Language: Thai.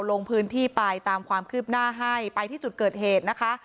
ลงพื้นที่ไปตามความคืบหน้าให้ไปที่จุดเกิดเหตุนะคะ